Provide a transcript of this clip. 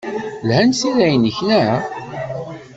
Lhant tira-nnek, naɣ?